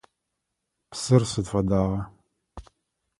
Псыр сыд фэдагъа?